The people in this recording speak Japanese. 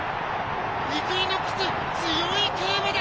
イクイノックス、強い競馬だ。